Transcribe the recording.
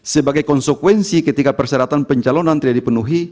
sebagai konsekuensi ketika persyaratan pencalonan tidak dipenuhi